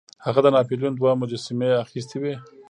هغه د ناپلیون دوه مجسمې اخیستې وې.